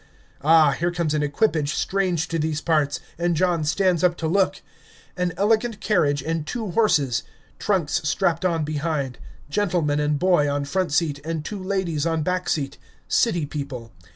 Ah, here comes an equipage strange to these parts, and John stands up to look; an elegant carriage and two horses; trunks strapped on behind; gentleman and boy on front seat and two ladies on back seat, city people.